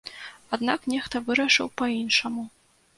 Аднак нехта вырашыў па-іншаму.